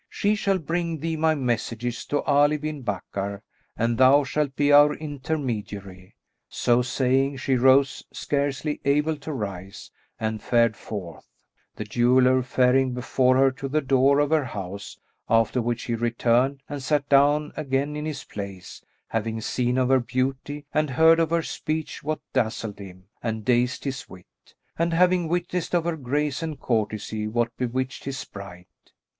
She shall bring thee my messages to Ali bin Bakkar and thou shalt be our intermediary." So saying, she rose, scarcely able to rise, and fared forth, the jeweller faring before her to the door of her house, after which he returned and sat down again in his place, having seen of her beauty and heard of her speech what dazzled him and dazed his wit, and having witnessed of her grace and courtesy what bewitched his sprite.